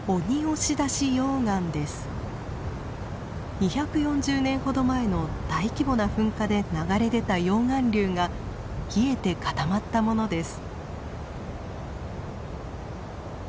２４０年ほど前の大規模な噴火で流れ出た溶岩流が冷えて固まったものです。